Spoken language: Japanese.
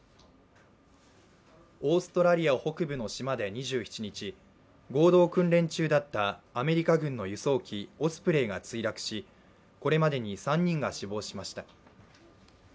オーストラリア北部の島で２７日、合同訓練中だったアメリカ軍の輸送機、オスプレイが墜落しこれまでに３人が死亡しました。